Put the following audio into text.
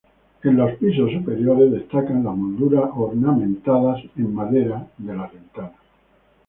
Los pisos superiores destacan las molduras ornamentadas en madera de las ventanas.